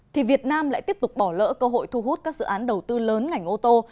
thì việt nam lại tiếp tục bỏ lỡ cơ hội thu hút các dự án đầu tư lớn ngành ô tô